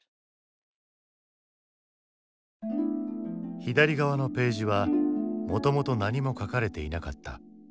左側のページはもともと何も書かれていなかった。